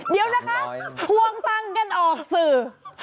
เดี๋ยวนะคะทวงตังค์กันออกสื่อ